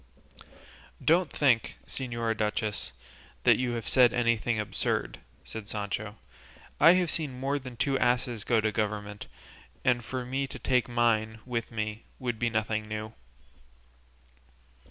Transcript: "Don't think, señora duchess, that you have said anything absurd," said Sancho; "I have seen more than two asses go to governments, and for me to take mine with me would be nothing new."